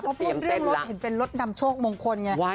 เขาพูดเรื่องรถเห็นเป็นรถนำโชคมงคลไง